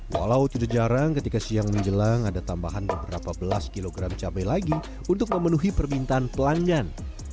walau tidak jarang ketika siang menjelang ada tambahan beberapa belas kilogram cabai lagi untuk memenuhi permintaan pelanggan